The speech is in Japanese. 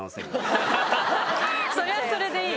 それはそれでいい。